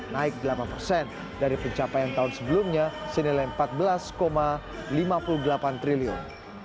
naik delapan persen dari pencapaian tahun sebelumnya senilai empat belas lima puluh delapan triliun